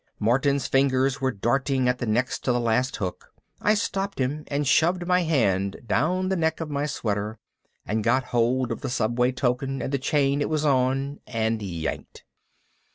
Martin's fingers were darting at the next to the last hook. I stopped him and shoved my hand down the neck of my sweater and got hold of the subway token and the chain it was on and yanked.